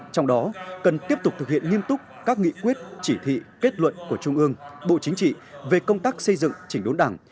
trong đó cần tiếp tục thực hiện nghiêm túc các nghị quyết chỉ thị kết luận của trung ương bộ chính trị về công tác xây dựng chỉnh đốn đảng